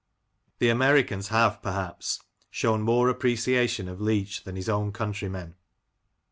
The Americans have, perhaps, shown more appreciation of Leach than his own countrymen.